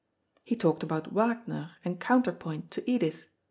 He talked about Wagner and counterpoint to Edith.